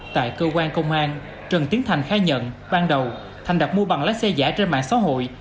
tại cơ quan công an trần tiến thành khai nhận ban đầu thành đặt mua bằng lái xe giả trên mạng xã hội